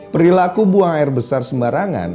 perilaku buang air besar sembarangan